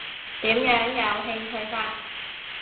點樣有興趣法？